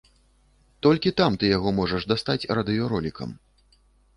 Толькі там ты яго можаш дастаць радыёролікам.